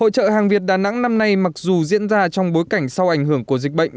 hội trợ hàng việt đà nẵng năm nay mặc dù diễn ra trong bối cảnh sau ảnh hưởng của dịch bệnh